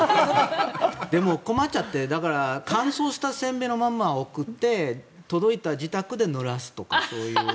でも困っちゃって乾燥した煎餅のまま送って、届いた自宅でぬらすとか、そういう。